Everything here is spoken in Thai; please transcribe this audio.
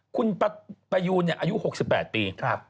คุณประยูนอายุ๖๘ปี